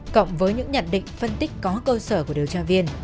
cộng với những nhận định phân tích có cơ sở của điều tra viên